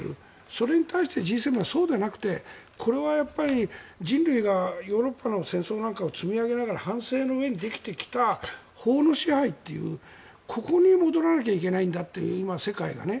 それに対してＧ７はそうでなくてこれは人類がヨーロッパの戦争を積み上げながら反省の上でできてきた法の支配というここに戻らなきゃいけないんだと今、世界がね。